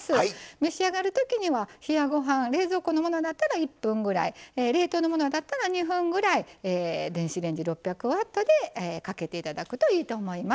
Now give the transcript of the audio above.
召し上がるときには冷やご飯冷蔵庫のものだったら１分ぐらい、冷凍のものだったら２分ぐらい電子レンジ６００ワットでかけていただくといいと思います。